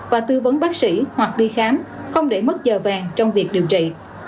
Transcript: và tư vấn bác sĩ hoặc đi khám không để mất giờ vàng trong việc điều trị